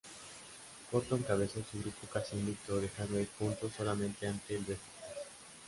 Porto encabezó su grupo casi invicto, dejando ir puntos solamente ante el Beşiktaş.